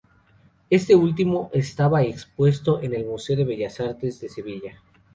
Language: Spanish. Este último está expuesto en el Museo de Bellas Artes de Sevilla.